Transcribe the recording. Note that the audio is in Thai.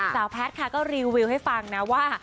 แพทย์ค่ะก็รีวิวให้ฟังนะว่า